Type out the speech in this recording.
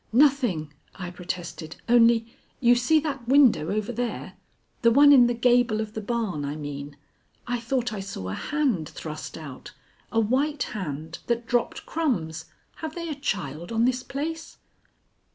"Nothing," I protested, "only you see that window over there? The one in the gable of the barn, I mean. I thought I saw a hand thrust out, a white hand that dropped crumbs. Have they a child on this place?"